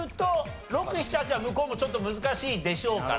６７８は向こうもちょっと難しいでしょうから。